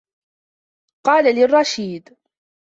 قَالَ لِي الرَّشِيدُ